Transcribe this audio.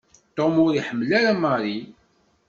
Tom ur iḥemmel ara Mary.